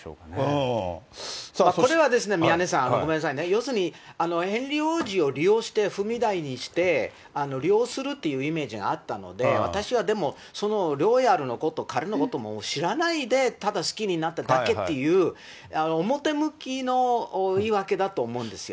これはですね、宮根さん、ごめんなさいね、要するに、ヘンリー王子を利用して踏み台にして、利用するっていうイメージがあったので、私はでも、そのロイヤルのこと、彼のこと知らないで、ただ好きになっただけっていう、表向きの言い訳だと思うんですよ。